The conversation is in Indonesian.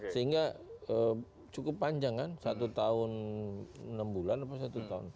sehingga cukup panjang kan satu tahun enam bulan atau satu tahun